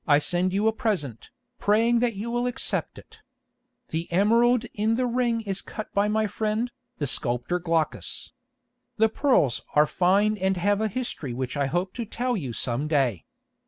"I send you a present, praying that you will accept it. The emerald in the ring is cut by my friend, the sculptor Glaucus. The pearls are fine and have a history which I hope to tell you some day.